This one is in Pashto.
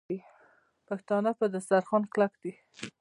پښتانه پر دسترخوان کلک دي.